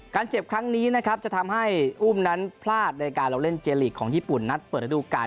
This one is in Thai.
เจ็บครั้งนี้นะครับจะทำให้อุ้มนั้นพลาดในการลงเล่นเจลีกของญี่ปุ่นนัดเปิดระดูการ